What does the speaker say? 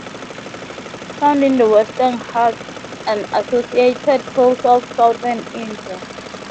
Found in the Western Ghats and associated hills of southern India.